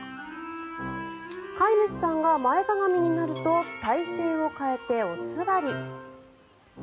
飼い主さんが前かがみになると体勢を変えてお座り。